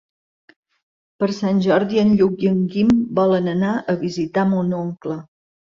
Per Sant Jordi en Lluc i en Guim volen anar a visitar mon oncle.